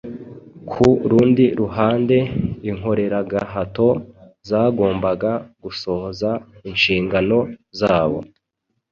Ku rundi ruhande, inkoreragahato zagombaga gusohoza inshingano zabo